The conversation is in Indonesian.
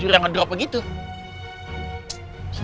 melihat pak suriah noirangnya